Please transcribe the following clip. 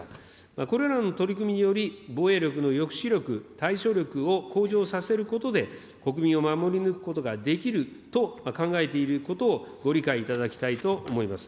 これらの取り組みにより、防衛力の抑止力、対処力を向上させることで、国民を守り抜くことができると考えていることをご理解いただきたいと思います。